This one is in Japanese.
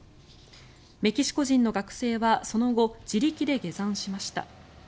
メキシコ人の学生はその後、自力で下山しました。